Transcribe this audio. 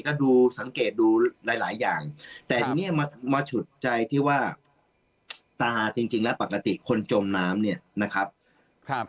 ก็ดูสังเกตดูหลายหลายอย่างแต่ทีนี้มามาฉุดใจที่ว่าตาจริงจริงแล้วปกติคนจมน้ำเนี่ยนะครับ